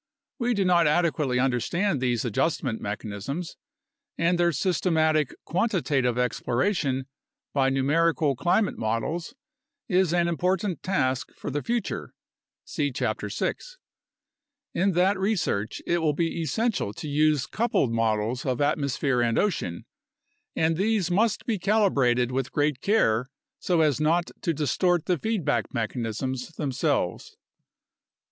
We do not adequately understand these adjustment mechanisms, and their system atic quantitative exploration by numerical climate models is an important task for the future (see Chapter 6). In that research it will be essential to use coupled models of atmosphere and ocean, and these must be calibrated with great care so as not to distort the feedback mechanisms themselves.